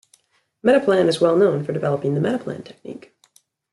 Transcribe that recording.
Metaplan is well-known for developing the "Metaplan technique".